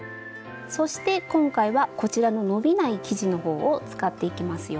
そして今回はこちらの伸びない生地の方を使っていきますよ。